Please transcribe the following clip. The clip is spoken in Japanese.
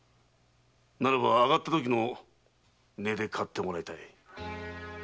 ならば上がったときの値で買ってもらいたい。